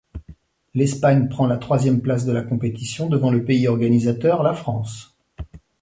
L'Espagne prend la troisième place de la compétition devant le pays organisateur, la France.